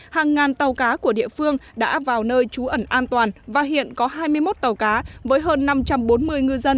hàng ngàn tàu cá của địa phương đã vào nơi trú ẩn an toàn và hiện có hai mươi một tàu cá với hơn năm trăm bốn mươi ngư dân